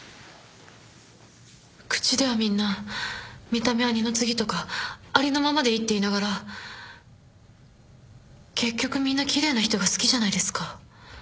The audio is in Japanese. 口ではみんな見た目は二の次とかありのままでいいって言いながら結局みんな奇麗な人が好きじゃないですか。